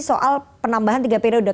soal penambahan tiga periode